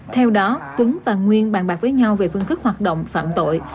theo đó tuấn và nguyên bàn bạc với nhau về phương thức hoạt động phạm tội